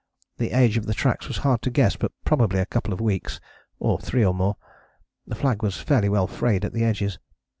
The age of the tracks was hard to guess but probably a couple of weeks or three or more. The flag was fairly well frayed at the edges.